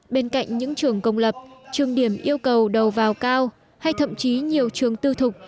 bên cạnh những trường công lập trường điểm yêu cầu đầu vào cao hay thậm chí nhiều trường tư thục